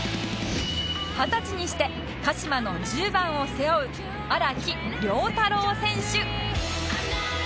二十歳にして鹿島の１０番を背負う荒木遼太郎選手